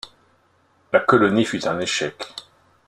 La colonie fut un échec.